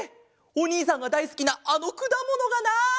おにいさんがだいすきなあのくだものがない！